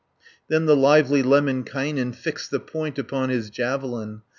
30 Then the lively Lemminkainen Fixed the point upon his javelin.